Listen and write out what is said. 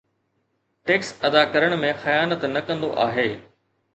tax ادا ڪرڻ ۾ خيانت نه ڪندو آهي